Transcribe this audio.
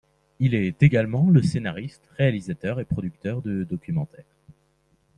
Il est également scénariste, réalisateur et producteur de documentaires.